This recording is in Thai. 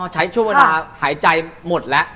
ใช้ชั่วประทะหายใจหมดละ